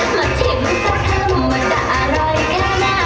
นี่เชือกันตอนกุ้มมา